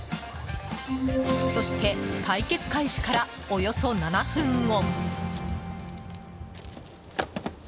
そして対決開始から、およそ７分後。